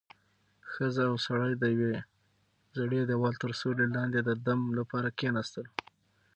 ښځه او سړی د یوې زړې دېوال تر سیوري لاندې د دم لپاره کېناستل.